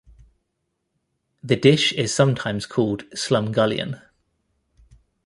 The dish is sometimes called slumgullion.